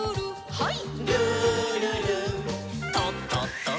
はい。